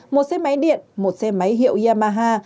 một xe máy điện một xe máy hiệu yamaha